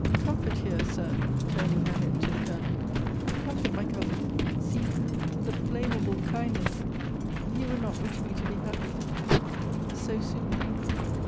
Comfort here, Sir turning her head to the Colonel comfort my cousin see! the blame able kindness he would not wish me to be happy so soon!